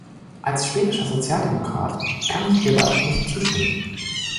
Als schwedischer Sozialdemokrat kann ich ihr da nicht zustimmen.